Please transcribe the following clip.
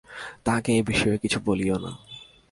তাঁহাকে এ বিষয়ে কিছু বলিও না।